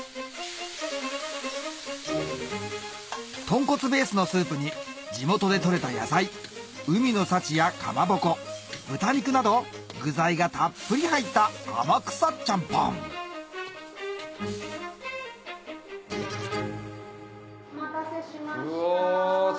豚骨ベースのスープに地元でとれた野菜海の幸やかまぼこ豚肉など具材がたっぷり入った天草ちゃんぽんお待たせしました。